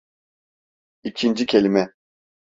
İkinci kelime.